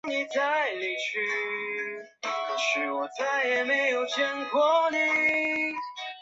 用户常常有需要去进行剪下和贴上。